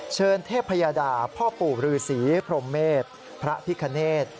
เชิญเทพยดาพ่อปู่ฤษีพรมเมษพระพิคเนธ